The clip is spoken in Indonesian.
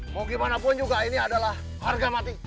mau gimana pun juga ini adalah harga mati